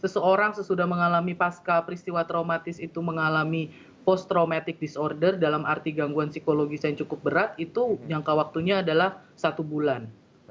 seseorang sesudah mengalami pasca peristiwa traumatis itu mengalami post traumatic disorder dalam arti gangguan psikologis yang cukup berat itu jangka waktunya adalah satu bulan